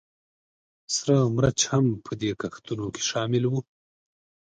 سره مرچ هم په دې کښتونو کې شامل وو